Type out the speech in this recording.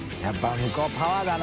向こうパワーだな。